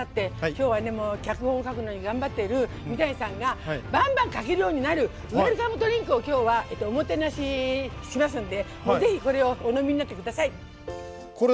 きょうは、脚本書くのに頑張ってる三谷さんがバンバン書けるようになるウェルカムドリンクをきょうは、おもてなししますんでぜひ、これをお飲みになってください。